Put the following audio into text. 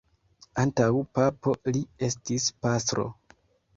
Antaŭ papo, li estis pastro.